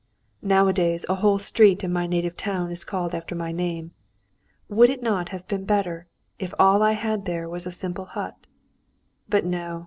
Nowadays, a whole street in my native town is called after my name: would it not have been better if all I had there were a simple hut? But no!